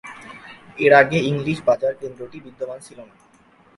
এর আগে ইংলিশ বাজার কেন্দ্রটি বিদ্যমান ছিল না।